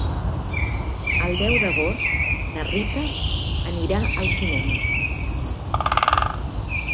El deu d'agost na Rita anirà al cinema.